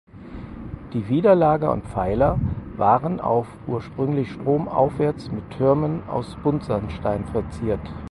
Die Widerlager und Pfeiler waren auf ursprünglich stromaufwärts mit Türmen aus Buntsandstein verziert.